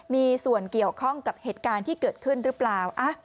มีส่วนเกี่ยวข้องกับเหตุการณ์ที่เกิดขึ้นหรือเปล่า